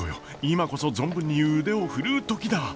今こそ存分に腕を振るう時だ！